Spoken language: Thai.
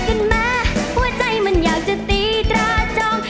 รักกันแม้หัวใจมันอยากจะตีตราจอง